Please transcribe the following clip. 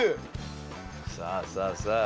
さあさあさあ